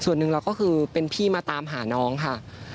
ส่วนหนึ่งเราก็คือเป็นพี่มาตามหาน้องค่ะ